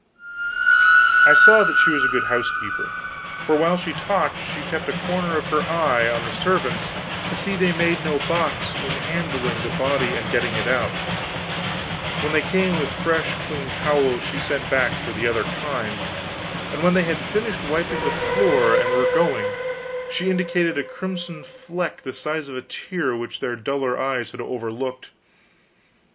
I saw that she was a good housekeeper, for while she talked she kept a corner of her eye on the servants to see that they made no balks in handling the body and getting it out; when they came with fresh clean towels, she sent back for the other kind; and when they had finished wiping the floor and were going, she indicated a crimson fleck the size of a tear which their duller eyes had overlooked.